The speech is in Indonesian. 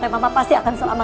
mama pasti akan selamat